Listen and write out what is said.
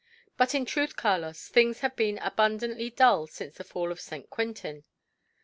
But in truth, Carlos, things have been abundantly dull since the fall of St. Quentin.